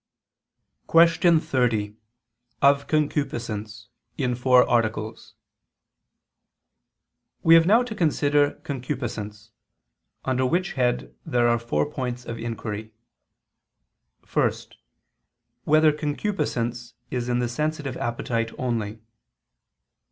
________________________ QUESTION 30 OF CONCUPISCENCE (In Four Articles) We have now to consider concupiscence: under which head there are four points of inquiry: (1) Whether concupiscence is in the sensitive appetite only?